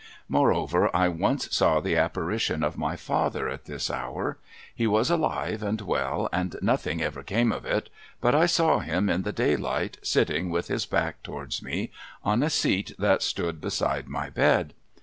Moreover, I once saw the apparition of my father, at this hour. He was alive and well, and nothing ever came of it, but I saw him in the daylight, sitting with his back towards me, on a seat that stood beside my bed.